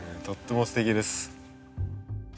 とってもすてきです。